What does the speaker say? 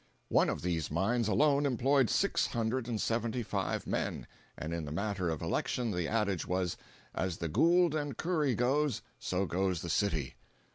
One of these mines alone employed six hundred and seventy five men, and in the matter of elections the adage was, "as the 'Gould and Curry' goes, so goes the city."